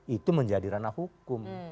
itu menjadi ranah hukum